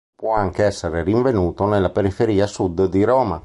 Può anche essere rinvenuto nella periferia sud di Roma.